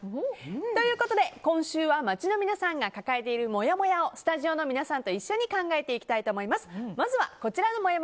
ということで今週は街の皆さんが抱えているもやもやをスタジオの皆さんと一緒に考えていきたいと思います。